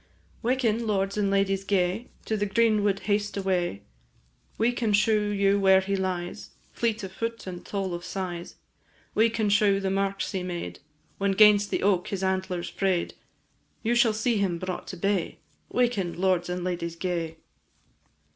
Waken, lords and ladies gay, To the green wood haste away; We can shew you where he lies, Fleet of foot and tall of size; We can shew the marks he made When 'gainst the oak his antlers fray'd; You shall see him brought to bay, "Waken, lords and ladies gay."